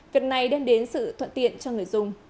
việc này đem đến sự thuận tiện cho người dùng